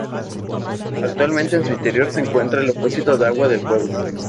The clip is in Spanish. Actualmente en su interior se encuentra el depósito del agua del pueblo.